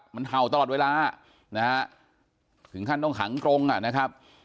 มันเห่าตลอดเวลานะฮะถึงขั้นต้องขังกรงอ่ะนะครับ